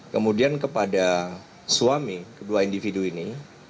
kemudian kepada suami kedua individu ini